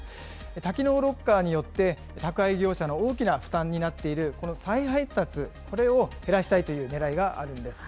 多機能ロッカーによって宅配業者の大きな負担になっているこの再配達、これを減らしたいというねらいがあるんです。